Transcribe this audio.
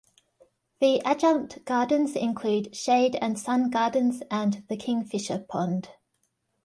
The adjunct gardens include shade and sun gardens and the Kingfisher Pond.